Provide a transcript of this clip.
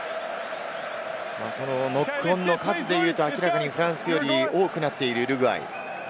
ノックオンの数でいうと明らかにフランスより多くなっているウルグアイ。